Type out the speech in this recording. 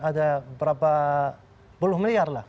ada berapa puluh miliar lah